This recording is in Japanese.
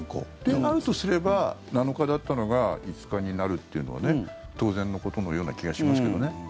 であるとすれば７日だったのが５日になるっていうのは当然のことのような気がしますけどね。